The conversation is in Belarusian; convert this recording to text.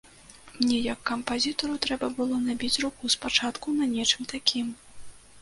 Мне, як кампазітару, трэба было набіць руку спачатку на нечым такім.